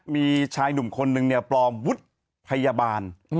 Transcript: มีชายหนุ่มคนหนึ่งปลอมพยาบาล